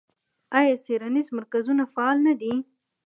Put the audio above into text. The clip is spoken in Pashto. آیا څیړنیز مرکزونه فعال نه دي؟